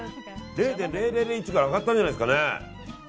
０．０００１ぐらい上がったんじゃないですかね。